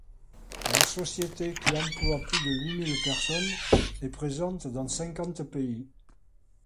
La société, qui emploie plus de huit mille personnes, est présente dans cinquante pays.